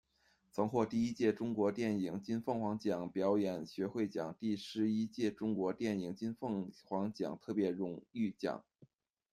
曾获第一届中国电影金凤凰奖表演学会奖，第十一届中国电影金凤凰奖特别荣誉奖。